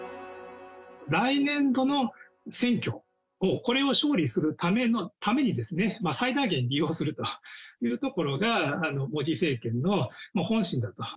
来年度の選挙、これを勝利するために、最大限利用するというところが、モディ政権の本心だと。